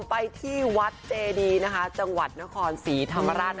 ไปที่วัดเจดีจนครสีธรรมราช